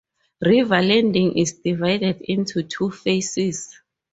River Landing is divided into two phases.